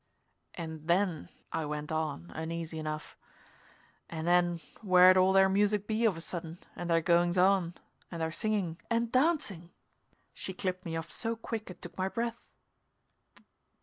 "And then," I went on, uneasy enough "and then where'd all their music be of a sudden, and their goings on and their singing " "And dancing!" She clipped me off so quick it took my breath.